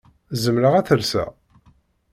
Zemreɣ ad t-llseɣ?